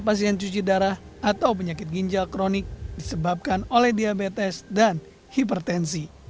dan pasien cuci darah atau penyakit ginjal kronik disebabkan oleh diabetes dan hipertensi